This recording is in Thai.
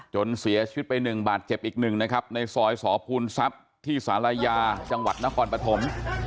จนเสียชีวิตไป๑บาทเจ็บอีกหนึ่งนะครับในซอยสอภูนทรัพย์ที่ศาลายาจังหวัดนครปฐม